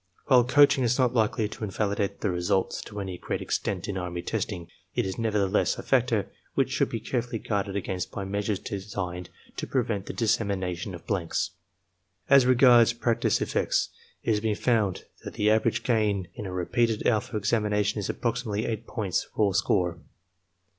While coaching is not likely to in ■) 50 ARMY MENTAL TESTS validate the results to any great extent in army testing, it is nevertheless a factor which should be carefully guarded against by measures designed to prevent the dissemination of blanks. As regards practice effects, it has been found that the average gain in a repeated alpha examination is approximately 8 points (raw score).